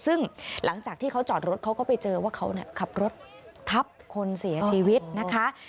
ซึ่งหลังจากที่เขาจอดรถเขาก็ไปเจอว่าเขาขับรถทับคนเสียชีวิตนะคะ